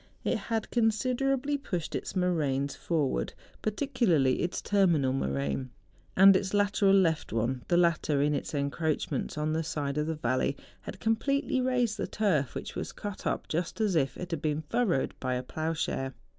It had considerably pushed its moraines forward, particularly its terminal moraine, and its lateral left one; the latter in its en¬ croachments on the side of the valley had com¬ pletely raised the turf, which was cut up just as if it had been furrowed by a ploughshare.